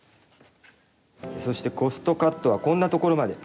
そしてコストカットはこんなところまで。